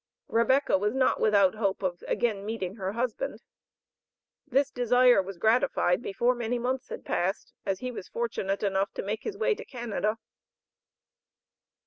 Rebecca was not without hope of again meeting her husband. This desire was gratified before many months had passed, as he was fortunate enough to make his way to Canada.